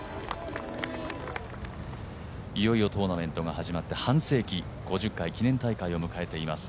いよいよトーナメントが始まって半世紀、５０回記念大会を迎えています。